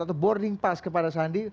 atau boarding pass kepada sandi